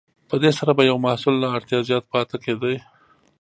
په دې سره به یو محصول له اړتیا زیات پاتې کیده.